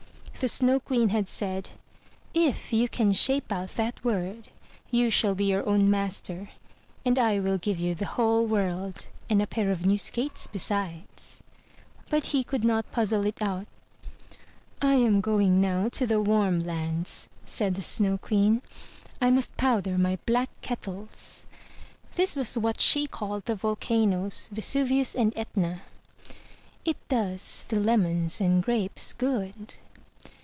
The Snow Queen had said, If you can shape out that word, you shall be your own master, and I will give you the whole world and a pair of new skates besides/' But he could not puzzle it out. "I am going now to the warm lands,*' said the Snow Queen. "I must powder my black kettles." (This was what she called the volcanoes, Vesuvius and Etna.) " It does the lemons and grapes good."